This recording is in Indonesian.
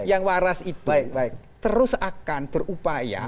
yang waras itu terus akan berupaya